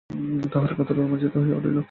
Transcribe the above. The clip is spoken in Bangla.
তাঁহার গাত্র রোমাঞ্চিত হইয়া উঠিল।